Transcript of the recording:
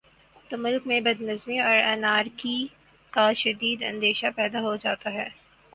تو ملک میں بد نظمی اور انارکی کا شدید اندیشہ پیدا ہو جاتا ہے